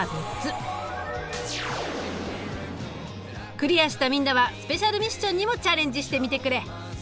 クリアしたみんなはスペシャルミッションにもチャレンジしてみてくれ。